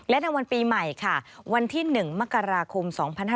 และในวันปีใหม่ค่ะวันที่๑มกราคม๒๕๖๒